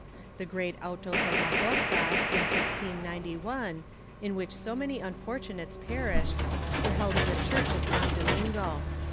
The great autos of Majorca, in 1691, in which so many unfortunates perished, were held in the church of San Domingo.